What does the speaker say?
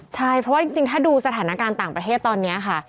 ใช่เพราะว่าจริงถ้าดูสถานการณ์ต่างประเทศตอนนี้ค่ะ